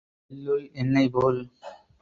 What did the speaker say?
எள்ளுள் எண்ணெய் போல்.